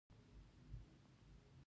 د افغانستان نمدې ګرمې دي